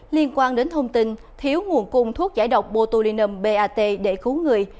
liên quan đến thông tin thiếu nguồn cung thuốc giải độc botulinum bat để cứu người